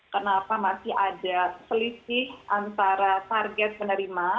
kenapa masih ada selisih antara target penerima